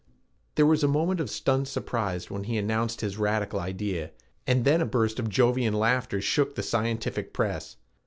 There was a moment of stunned surprise when he announced his radical idea, and then a burst of Jovian laughter shook the scientific press.